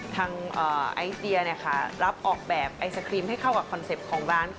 ไอศเดียรับออกแบบไอศครีมให้เข้ากับคอนเซ็ปต์ของร้าน